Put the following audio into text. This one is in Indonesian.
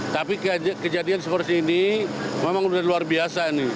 tapi kejadian seperti ini memang luar biasa